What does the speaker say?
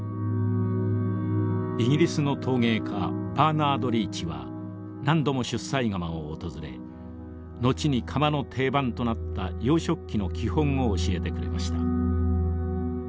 イギリスの陶芸家バーナード・リーチは何度も出西窯を訪れ後に窯の定番となった洋食器の基本を教えてくれました。